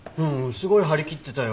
すごい張り切ってたよ。